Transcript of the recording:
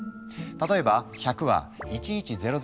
例えば「１００」は「１１００１００」。